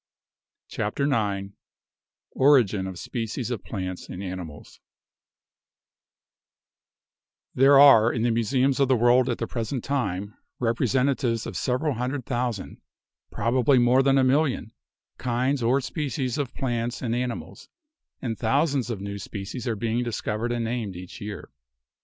CHAPTER IX ORIGIN OF SPECIES OF PLANTS AND ANIMALS There are in the museums of the world at the present time representatives of several hundred thousand — prob ably more than a million — kinds or species of plants and animals, and thousands of new species are being discov ered and named each year.